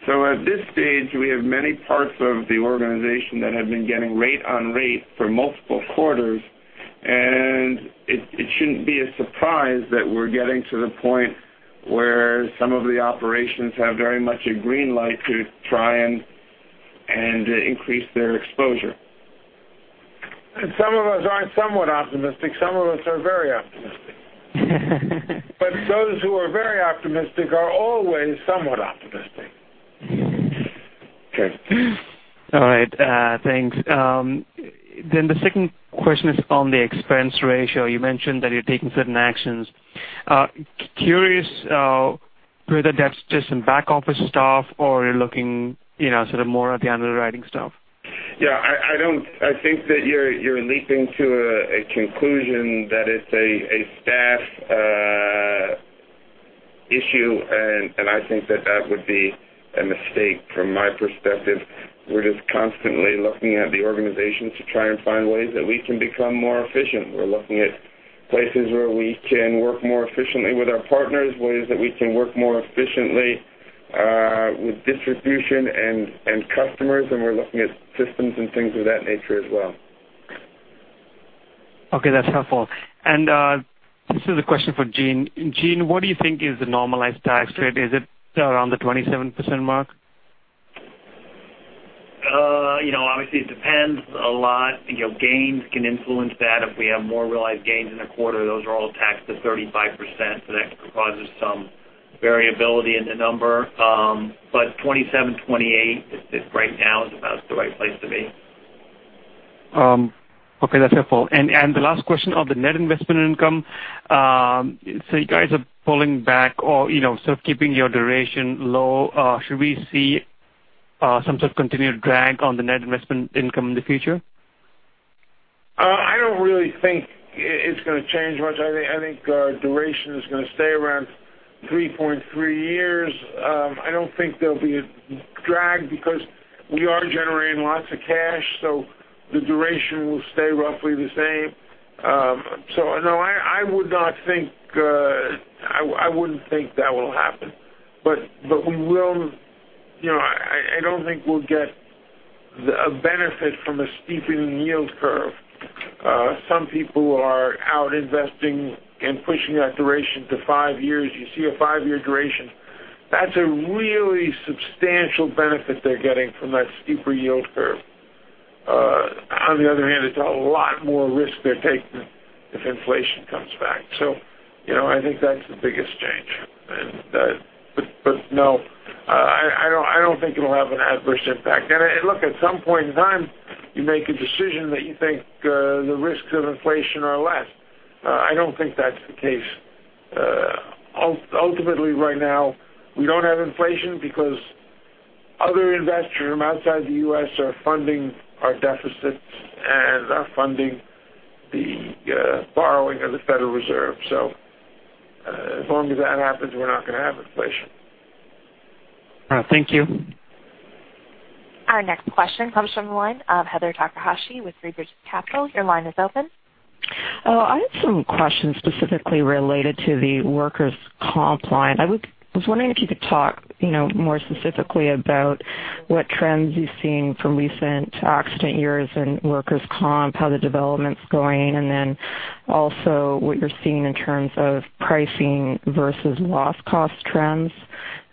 At this stage, we have many parts of the organization that have been getting rate on rate for multiple quarters, and it shouldn't be a surprise that we're getting to the point where some of the operations have very much a green light to try and increase their exposure. Some of us aren't somewhat optimistic. Some of us are very optimistic. Those who are very optimistic are always somewhat optimistic. Okay. All right. Thanks. The second question is on the expense ratio. You mentioned that you're taking certain actions. Curious, whether that's just in back office staff or you're looking sort of more at the underwriting staff? Yeah. I think that you're leaping to a conclusion that it's a staff issue, and I think that that would be a mistake from my perspective. We're just constantly looking at the organization to try and find ways that we can become more efficient. We're looking at places where we can work more efficiently with our partners, ways that we can work more efficiently with distribution and customers, and we're looking at systems and things of that nature as well. Okay. That's helpful. This is a question for Gene. Gene, what do you think is the normalized tax rate? Is it around the 27% mark? Obviously, it depends a lot. Gains can influence that. If we have more realized gains in a quarter, those are all taxed at 35%, so that could cause us some variability in the number. 27%, 28% right now is about the right place to be. Okay. That's helpful. The last question on the net investment income. You guys are pulling back or sort of keeping your duration low. Should we see some sort of continued drag on the net investment income in the future? I don't really think it's going to change much. I think duration is going to stay around 3.3 years. I don't think there'll be a drag because we are generating lots of cash, so the duration will stay roughly the same. No, I wouldn't think that will happen. I don't think we'll get the benefit from a steepening yield curve. Some people are out investing and pushing that duration to 5 years. You see a 5-year duration. That's a really substantial benefit they're getting from that steeper yield curve. On the other hand, it's a lot more risk they're taking if inflation comes back. I think that's the biggest change. No, I don't think it'll have an adverse impact. Look, at some point in time, you make a decision that you think, the risks of inflation are less. I don't think that's the case. Ultimately, right now, we don't have inflation because other investors from outside the U.S. are funding our deficits and are funding the borrowing of the Federal Reserve. As long as that happens, we're not going to have inflation. Thank you. Our next question comes from the line of Heather Takahashi with Three Bridges Capital. Your line is open. Hello. I have some questions specifically related to the workers' comp line. I was wondering if you could talk more specifically about what trends you've seen from recent accident years in workers' comp, how the development's going, also what you're seeing in terms of pricing versus loss cost trends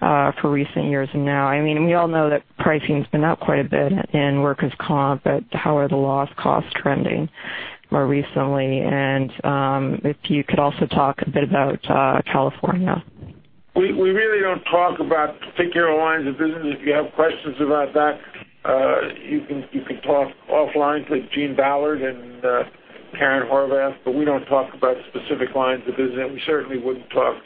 for recent years and now. We all know that pricing's been up quite a bit in workers' comp, how are the loss costs trending more recently? If you could also talk a bit about California. We really don't talk about particular lines of business. If you have questions about that, you can talk offline with Gene Ballard and Karen Horvath, we don't talk about specific lines of business. We certainly wouldn't talk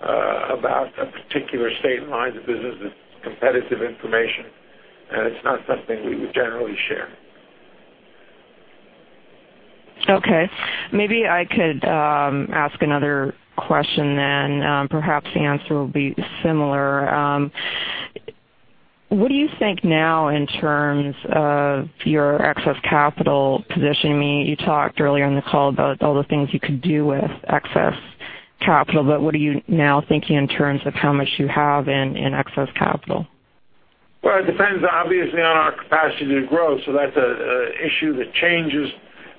about a particular state and lines of business. It's competitive information, it's not something we would generally share. Okay. Maybe I could ask another question. Perhaps the answer will be similar. What do you think now in terms of your excess capital position? You talked earlier in the call about all the things you could do with excess capital, what are you now thinking in terms of how much you have in excess capital? Well, it depends, obviously, on our capacity to grow, so that's an issue that changes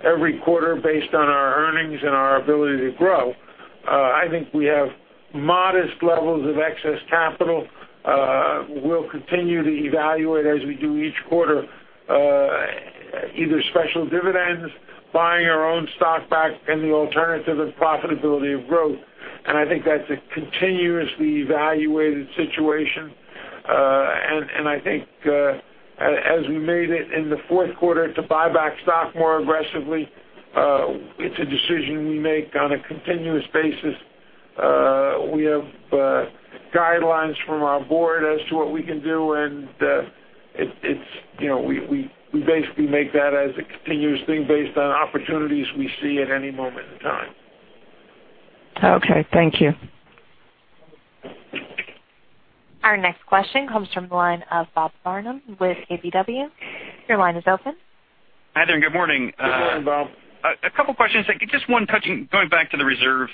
every quarter based on our earnings and our ability to grow. I think we have modest levels of excess capital. We'll continue to evaluate, as we do each quarter, either special dividends, buying our own stock back, and the alternative of profitability of growth, and I think that's a continuously evaluated situation. I think, as we made it in the fourth quarter to buy back stock more aggressively, it's a decision we make on a continuous basis. We have guidelines from our board as to what we can do, and we basically make that as a continuous thing based on opportunities we see at any moment in time. Okay, thank you. Our next question comes from the line of Bob Barnum with ABW. Your line is open. Hi there, and good morning. Good morning, Bob. A couple of questions. Just one going back to the reserves.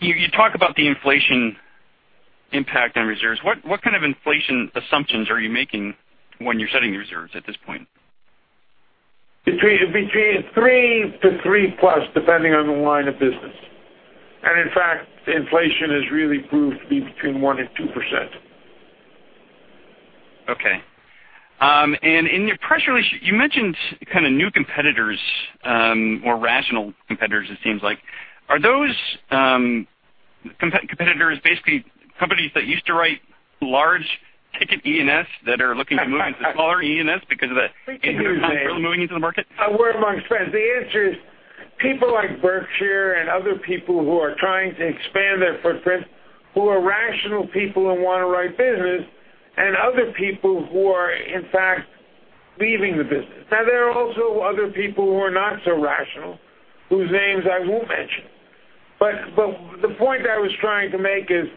You talk about the inflation impact on reserves. What kind of inflation assumptions are you making when you're setting the reserves at this point? Between three to three plus, depending on the line of business. In fact, inflation has really proved to be between 1% and 2%. Okay. In your press release, you mentioned kind of new competitors, more rational competitors, it seems like. Are those competitors basically companies that used to write large ticket E&S that are looking to move into smaller E&S because of the? Thank you moving into the market? We're amongst friends. The answer is people like Berkshire and other people who are trying to expand their footprint, who are rational people and want to write business, and other people who are, in fact, leaving the business. There are also other people who are not so rational, whose names I won't mention. The point I was trying to make is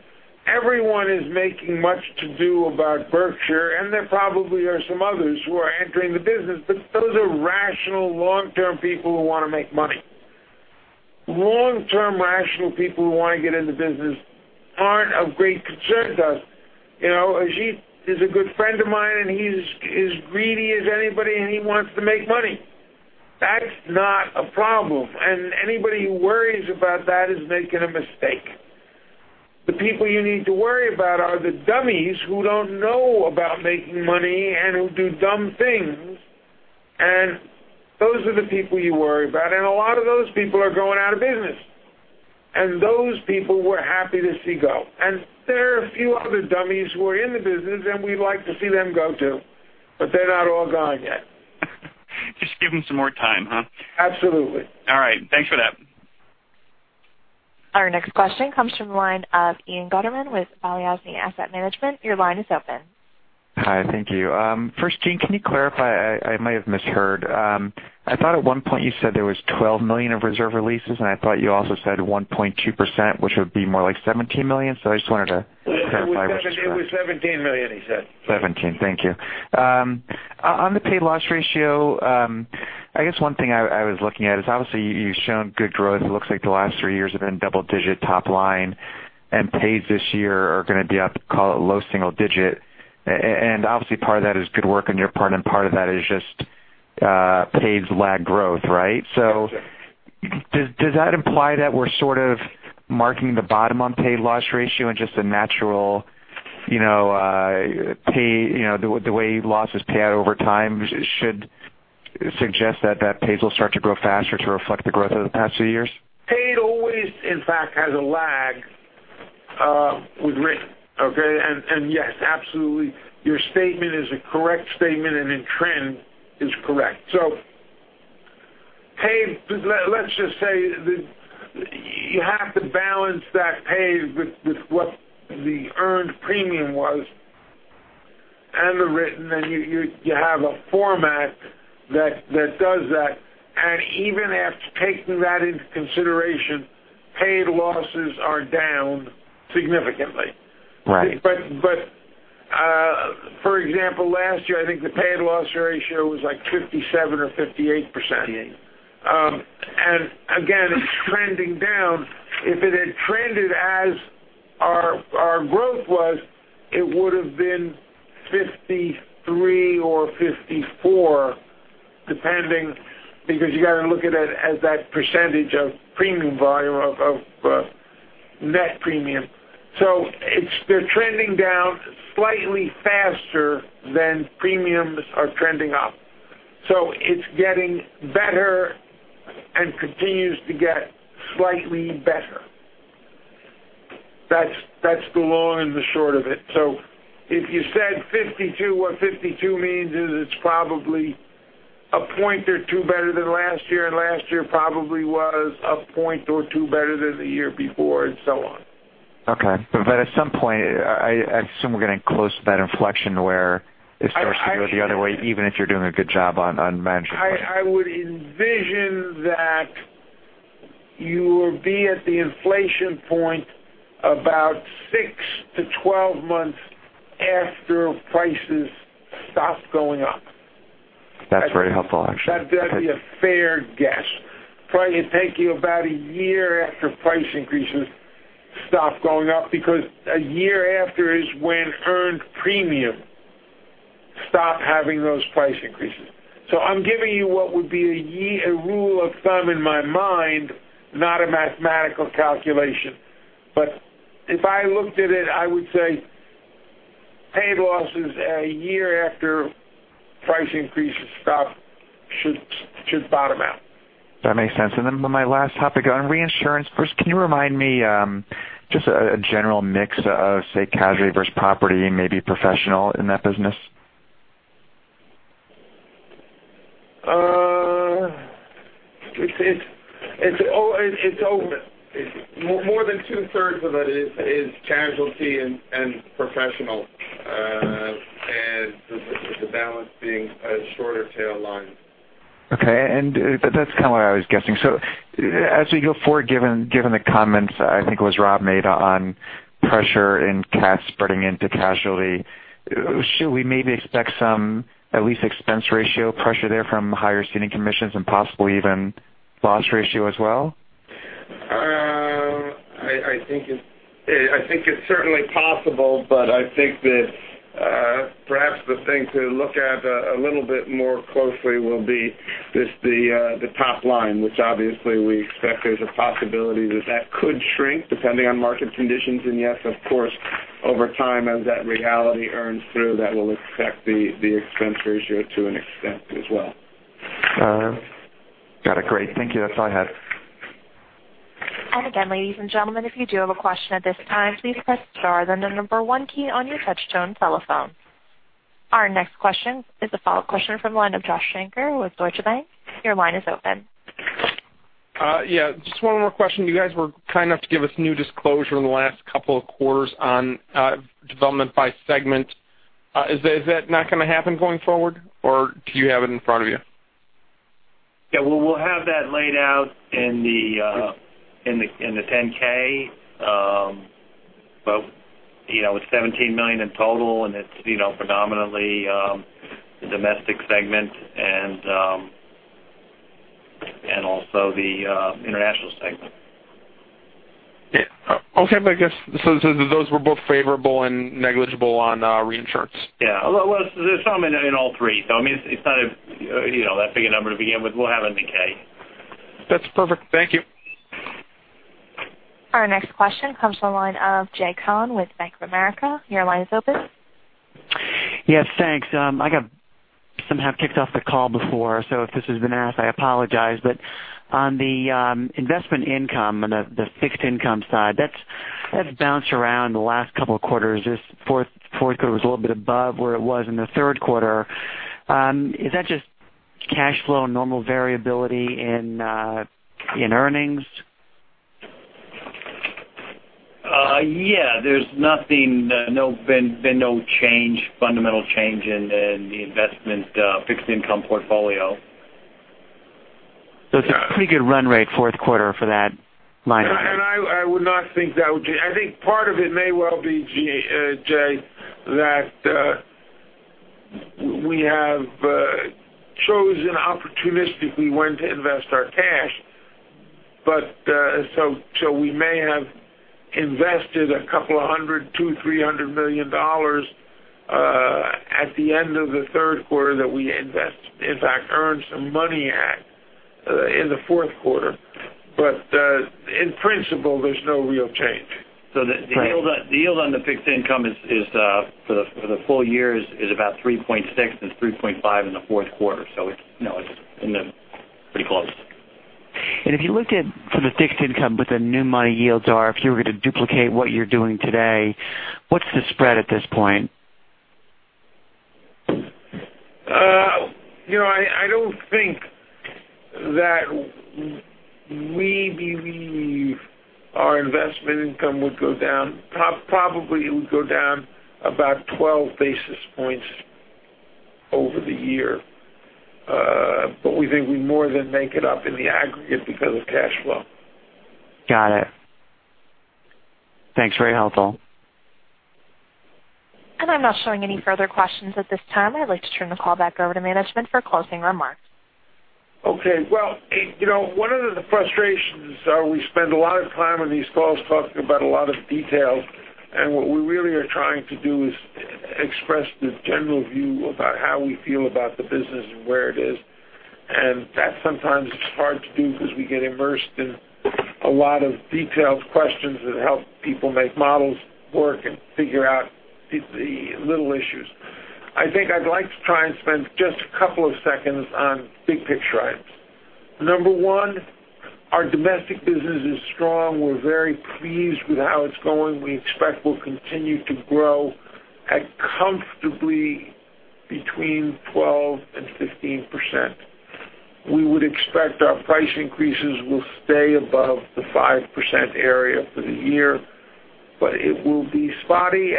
everyone is making much to-do about Berkshire, and there probably are some others who are entering the business, but those are rational, long-term people who want to make money. Long-term rational people who want to get in the business aren't of great concern to us. Ajit is a good friend of mine, and he's as greedy as anybody, and he wants to make money. That's not a problem, and anybody who worries about that is making a mistake. The people you need to worry about are the dummies who don't know about making money and who do dumb things, and those are the people you worry about, and a lot of those people are going out of business. Those people we're happy to see go. There are a few other dummies who are in the business, and we'd like to see them go, too. They're not all gone yet. Just give them some more time, huh? Absolutely. All right. Thanks for that. Our next question comes from the line of Ian Gutterman with Balyasny Asset Management. Your line is open. Hi, thank you. First, Gene, can you clarify, I might have misheard. I thought at one point you said there was $12 million of reserve releases, and I thought you also said 1.2%, which would be more like $17 million. I just wanted to clarify what you said. It was $17 million, he said. 17, thank you. On the paid loss ratio, I guess one thing I was looking at is obviously you've shown good growth. It looks like the last 3 years have been double digit top line, paid this year are going to be up, call it low single digit. Obviously, part of that is good work on your part, and part of that is just paid's lag growth, right? Yes, sir. Does that imply that we're sort of marking the bottom on paid loss ratio and just a natural, the way losses pay out over time should suggest that paid will start to grow faster to reflect the growth over the past few years? Paid always, in fact, has a lag with written, okay? Yes, absolutely, your statement is a correct statement. In trend is correct. Paid, let's just say you have to balance that paid with what the earned premium was and the written. You have a format that does that. Even after taking that into consideration, paid losses are down significantly. Right. For example, last year, I think the paid loss ratio was like 57% or 58%. Yeah. Again, it's trending down. If it had trended as our growth was, it would've been 53 or 54, depending, because you got to look at it as that percentage of premium volume, of net premium. They're trending down slightly faster than premiums are trending up. It's getting better and continues to get slightly better. That's the long and the short of it. If you said 52, what 52 means is it's probably a point or two better than last year, and last year probably was a point or two better than the year before, and so on. Okay. At some point, I assume we're getting close to that inflection where it starts to go the other way, even if you're doing a good job on managing. I would envision that you will be at the inflation point about six to 12 months after prices stop going up. That's very helpful, actually. That would be a fair guess. Probably it'd take you about a year after price increases stop going up, because a year after is when earned premium stop having those price increases. I'm giving you what would be a rule of thumb in my mind, not a mathematical calculation. If I looked at it, I would say paid losses a year after price increases stop, should bottom out. That makes sense. My last topic on reinsurance. First, can you remind me just a general mix of, say, casualty versus property, maybe professional in that business? More than two-thirds of it is casualty and professional, with the balance being shorter tail lines. Okay. That's kind of what I was guessing. As we go forward, given the comments, I think it was Rob made on pressure in CAT spreading into casualty, should we maybe expect some at least expense ratio pressure there from higher ceding commissions and possibly even loss ratio as well? I think it's certainly possible, I think that perhaps the thing to look at a little bit more closely will be just the top line, which obviously we expect there's a possibility that that could shrink depending on market conditions. Yes, of course, over time, as that reality earns through, that will affect the expense ratio to an extent as well. Got it. Great. Thank you. That's all I had. ladies and gentlemen, if you do have a question at this time, please press star, then the number one key on your touchtone telephone. Our next question is a follow-up question from the line of Josh Shanker with Deutsche Bank. Your line is open. Yeah. Just one more question. You guys were kind enough to give us new disclosure in the last couple of quarters on development by segment. Is that not going to happen going forward, or do you have it in front of you? Yeah. We'll have that laid out in the 10-K. It's $17 million in total, and it's predominantly the domestic segment and also the international segment. Okay. I guess, those were both favorable and negligible on reinsurance. Yeah. Well, there's some in all three. It's not that big a number to begin with. We'll have it in the K. That's perfect. Thank you. Our next question comes from the line of Jay Cohen with Bank of America. Your line is open. Yes, thanks. I got somehow kicked off the call before. If this has been asked, I apologize, but on the investment income and the fixed income side, that's bounced around the last couple of quarters. This fourth quarter was a little bit above where it was in the third quarter. Is that just cash flow and normal variability in earnings? Yeah, there's been no fundamental change in the investment fixed income portfolio. It's a pretty good run rate fourth quarter for that line item. I would not think that. I think part of it may well be, Jay, that we have chosen opportunistically when to invest our cash, we may have invested a couple of hundred, $200 million, $300 million at the end of the third quarter that we invest, in fact, earned some money at in the fourth quarter. In principle, there's no real change. The yield on the fixed income for the full year is about 3.6% and 3.5% in the fourth quarter. It's pretty close. If you looked at, for the fixed income, what the new money yields are, if you were going to duplicate what you are doing today, what's the spread at this point? I don't think that we believe our investment income would go down. Probably, it would go down about 12 basis points over the year. We think we more than make it up in the aggregate because of cash flow. Got it. Thanks. Very helpful. I'm not showing any further questions at this time. I'd like to turn the call back over to management for closing remarks. Okay. Well, one of the frustrations are we spend a lot of time on these calls talking about a lot of details, what we really are trying to do is express the general view about how we feel about the business and where it is. That sometimes is hard to do because we get immersed in a lot of detailed questions that help people make models work and figure out the little issues. I think I'd like to try and spend just a couple of seconds on big-picture items. Number one, our domestic business is strong. We're very pleased with how it's going. We expect we'll continue to grow at comfortably between 12% and 15%. We would expect our price increases will stay above the 5% area for the year, but it will be spotty,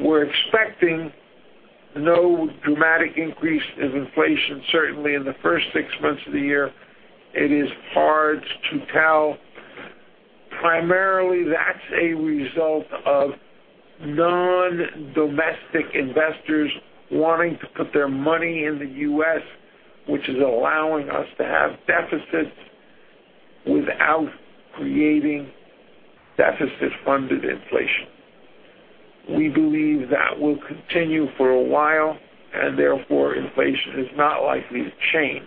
we're expecting no dramatic increase in inflation, certainly in the first six months of the year. It is hard to tell. Primarily, that's a result of non-domestic investors wanting to put their money in the U.S., which is allowing us to have deficits without creating deficit-funded inflation. We believe that will continue for a while, therefore, inflation is not likely to change.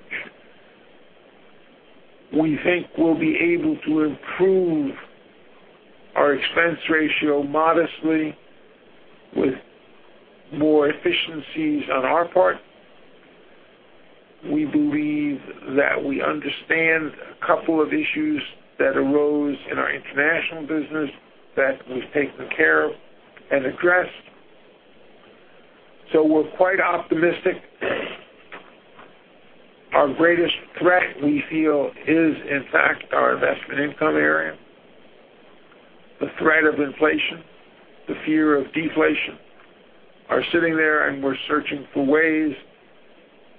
We think we'll be able to improve our expense ratio modestly with more efficiencies on our part. We believe that we understand a couple of issues that arose in our international business that we've taken care of and addressed. We're quite optimistic. Our greatest threat, we feel, is, in fact, our investment income area. The threat of inflation, the fear of deflation are sitting there, we're searching for ways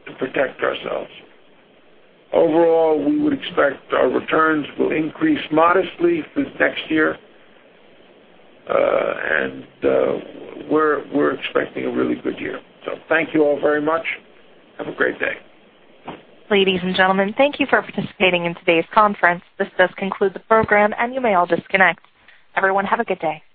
to protect ourselves. Overall, we would expect our returns will increase modestly through next year. We're expecting a really good year. Thank you all very much. Have a great day. Ladies and gentlemen, thank you for participating in today's conference. This does conclude the program, you may all disconnect. Everyone, have a good day.